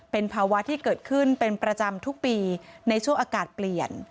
เป็นภาวะที่เกิดขึ้นเป็นประจำทุกปีในช่วงอากาศเปลี่ยน